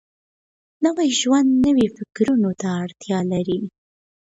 نوی ژوند نويو فکرونو ته اړتيا لري.